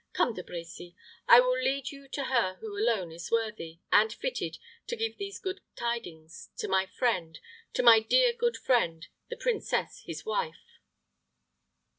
"Come, De Brecy, I will lead you to her who alone is worthy, and fitted to give these good tidings to my friend to my dear good friend the princess, his wife."